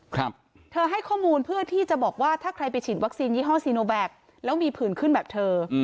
ครับเธอให้ข้อมูลเพื่อที่จะบอกว่าถ้าใครไปฉีดวัคซีนยี่ห้อซีโนแบคแล้วมีผื่นขึ้นแบบเธอ